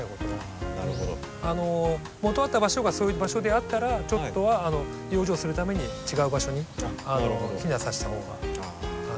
もとあった場所がそういう場所であったらちょっとは養生するために違う場所に避難させた方が無難です。